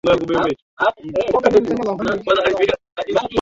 mama aliyeambukizwa virusi vya ukimwi anatakiwa kumlinda sana mtoto wake